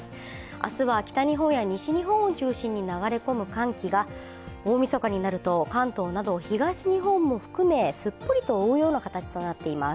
明日は北日本や西日本を中心に流れ込む寒気が大みそかになると関東など東日本も含めすっぽりと覆うような形となっています。